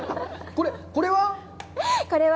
これは？